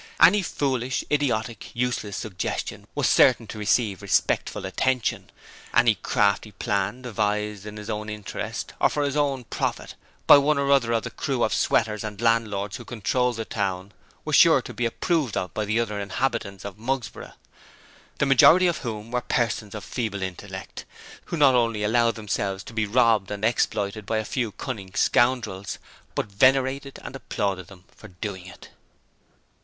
Any foolish, idiotic, useless suggestion was certain to receive respectful attention; any crafty plan devised in his own interest or for his own profit by one or other of the crew of sweaters and landlords who controlled the town was sure to be approved of by the other inhabitants of Mugsborough, the majority of whom were persons of feeble intellect who not only allowed themselves to be robbed and exploited by a few cunning scoundrels, but venerated and applauded them for doing it.